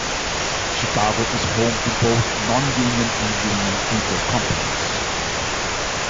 Chicago is home to both non-union and union theater companies.